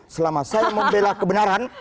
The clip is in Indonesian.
selama saya membela kebenaran